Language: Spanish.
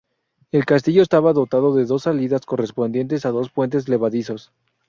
El castillo estaba dotado de dos salidas correspondientes a dos puentes levadizos.